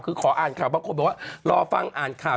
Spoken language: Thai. คือขออ่านข่าวบางคนบอกว่ารอฟังอ่านข่าว